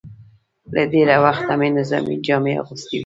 له ډېره وخته مې نظامي جامې اغوستې وې.